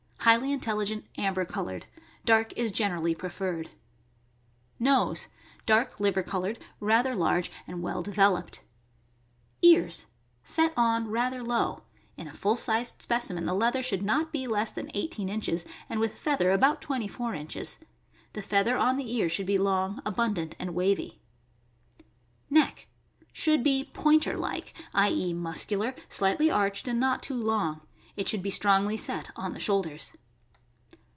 — Highly intelligent, amber colored. Dark is gen erally preferred. Nose. — Dark liver colored, rather large, and well devel oped. Ears. — Set on rather low. In a full sized specimen the leather should be not less than eighteen inches, and with feather about twenty four inches. The feather on the ear should be long, abundant, and wavy. Neck. — Should be " Pointer like "— i. e., muscular, slightly arched, and not too long. It should be strongly set on the shoulders.